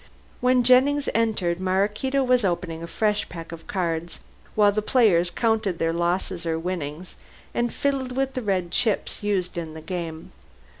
When Jennings entered, Maraquito was opening a fresh pack of cards, while the players counted their losses or winnings and fiddled with the red chips used in the game.